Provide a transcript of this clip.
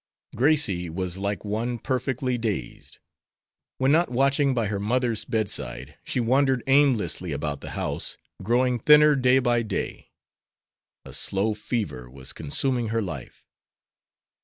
Gracie was like one perfectly dazed. When not watching by her mother's bedside she wandered aimlessly about the house, growing thinner day by day. A slow fever was consuming her life.